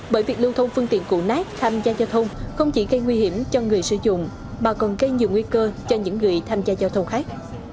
bởi việc lưu thông phương tiện cụ nát tham gia giao thông không chỉ gây nguy hiểm cho người sử dụng mà còn gây nhiều nguy cơ cho những người tham gia giao thông khác